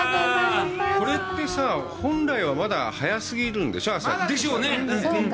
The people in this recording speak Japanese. これってさ、本来はまだ早過ぎるんでしょう？